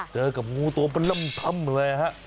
เจอกับงูตัวประนำทำเลย